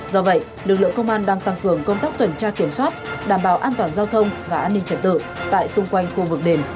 do vậy lực lượng công an đang tăng cường công tác tuần tra kiểm soát đảm bảo an toàn giao thông và an ninh trật tự tại xung quanh khu vực đền